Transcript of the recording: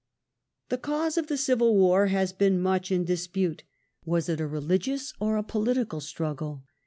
The cause of the Civil War has been much in dispute. Was it a religious or a political struggle?